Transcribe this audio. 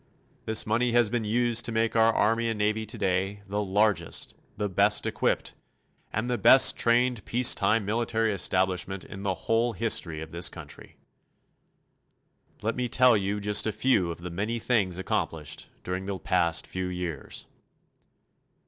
This money has been used to make our Army and Navy today the largest, the best equipped, and the best trained peace time military establishment in the whole history of this country. Let me tell you just a few of the many things accomplished during the past few years.